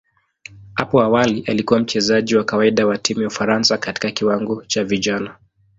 Hapo awali alikuwa mchezaji wa kawaida wa timu ya Ufaransa katika kiwango cha vijana.